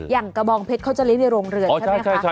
อย่างกระบองเพชรเขาจะเลี้ยในโรงเรือนใช่ไหมคะ